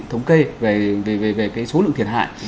thống kê về cái số lượng thiệt hại